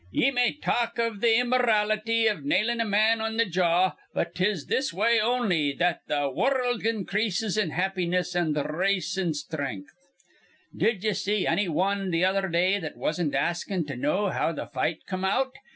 Ye may talk iv th' immyrality iv nailin' a man on th' jaw, but 'tis in this way on'y that th' wurruld increases in happiness an' th' race in strenth. Did ye see annywan th' other day that wasn't askin' to know how th' fight come out?